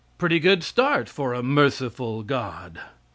Pretty good start for a merciful God!